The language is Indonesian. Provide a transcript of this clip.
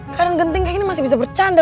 karena genting kayak gini masih bisa bercanda